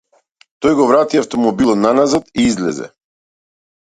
Тој го врати автомобилот наназад и излезе.